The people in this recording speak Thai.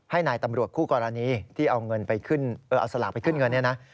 ให้นายตำรวจคู่กรณีที่เอาสลากไปขึ้นเงินนี้นะ